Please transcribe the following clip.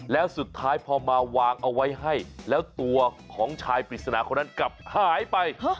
แล้วสุดท้ายพอมาวางเอาไว้ให้แล้วตัวของชายปริศนาคนนั้นกลับหายไป